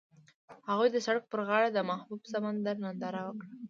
هغوی د سړک پر غاړه د محبوب سمندر ننداره وکړه.